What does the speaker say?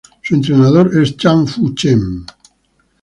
Su entrenador es Chan Fu Chen.